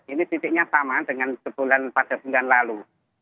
ini titiknya sama dengan sebulan pada bulan lalu